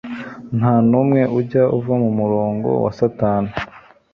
Nta numwe ujya uva mu murongo wa Satani